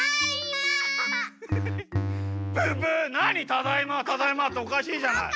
「ただいま」「ただいま」っておかしいじゃない。